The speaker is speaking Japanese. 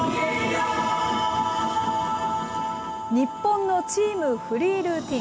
日本のチームフリールーティン。